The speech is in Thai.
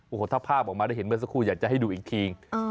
โอ้โหถ้าภาพออกมาได้เห็นเมื่อสักครู่อยากจะให้ดูอีกที